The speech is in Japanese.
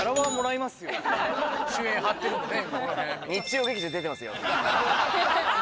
主演張ってるんでね